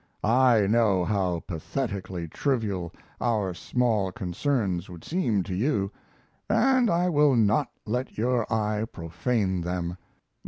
I know how pathetically trivial our small concerns would seem to you, and I will not let your eye profane them.